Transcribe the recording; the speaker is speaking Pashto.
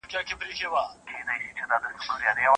چي هر څومره درڅرګند سم بیا مي هم نه سې لیدلای